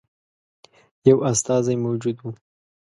یو استازی موجود وو.